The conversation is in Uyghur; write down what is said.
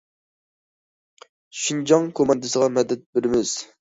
شىنجاڭ كوماندىسىغا مەدەت بېرىمىز!